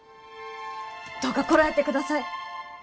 どうかこらえてください。